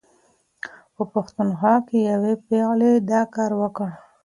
په پښتونخوا کې یوې پېغلې دا کار وکړ.